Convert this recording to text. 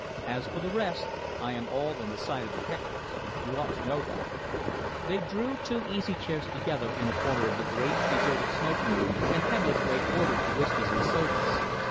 "As for the rest, I am all on the side of the hecklers. You ought to know that." They drew two easy chairs together in a corner of the great, deserted smoking room, and Hebblethwaite ordered the whiskies and sodas.